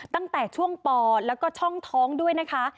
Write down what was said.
ตั้งแต่ช่วงปอแล้วก็ช่องท้องด้วยนะคะ